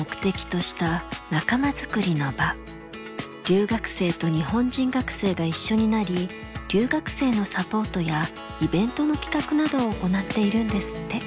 留学生と日本人学生が一緒になり留学生のサポートやイベントの企画などを行っているんですって。